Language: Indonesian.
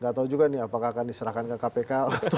gak tau juga nih apakah akan diserahkan ke kpk